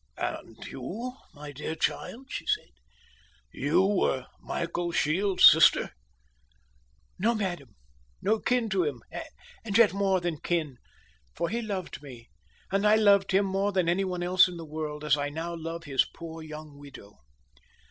"And you, my dear child," she said, "you were Michael Shields' sister?" "No, madam, no kin to him and yet more than kin for he loved me, and I loved him more than any one else in the world, as I now love his poor young widow.